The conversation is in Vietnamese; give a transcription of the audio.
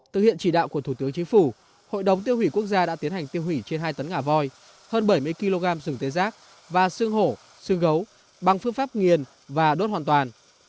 thực hiện chỉ đạo của thủ tướng chính phủ hội đồng tiêu hủy quốc gia đã tiến hành tiêu hủy trên hai tấn ngà voi hơn bảy mươi kg sừng tê giác và sương hổ xương gấu bằng phương pháp nghiền và đốt hoàn toàn